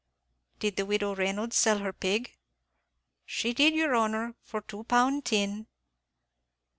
"Did the widow Reynolds sell her pig?" "She did, yer honor, for two pound tin."